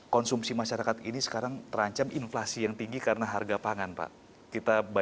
konsumsi masyarakat ini sekarang terancam inflasi yang tinggi karena harga pangan pak